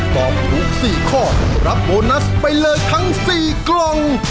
ตอบถูก๔ข้อรับโบนัสไปเลยทั้ง๔กล่อง